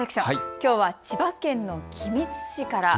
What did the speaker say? きょうは千葉県の君津市から。